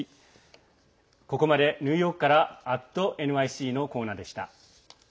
ここまでニューヨークから「＠ｎｙｃ」のコーナーでした。